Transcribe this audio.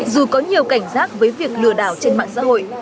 dù có nhiều cảnh giác với việc lừa đảo trên mạng xã hội